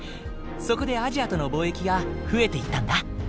そこでアジアとの貿易が増えていったんだ。